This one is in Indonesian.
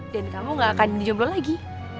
dan kamu gak akan dijomblo lagi